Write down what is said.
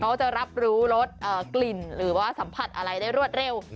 เขาจะรับรู้ลดกลิ่นหรือว่าสัมผัสอะไรได้รวดเร็ว